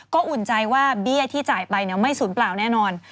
ก็อุ่นใจว่าเบี้ยที่จ่ายไปไม่สูญเปล่าแน่นอน